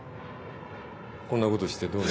こんなことしてどうなる。